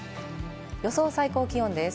予想最高気温です。